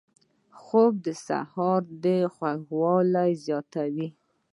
خوب د سحر خوږوالی زیاتوي